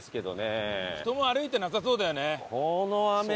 人も歩いてなさそうだよね。